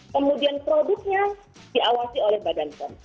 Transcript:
kemudian produknya diawasi oleh badan pom